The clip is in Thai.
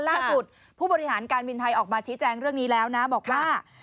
ผู้บริหารการบินไทยออกมาชี้แจงเรื่องนี้แล้วนะบอกว่า